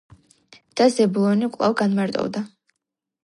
და ზებულონი კვლავ განმარტოვდა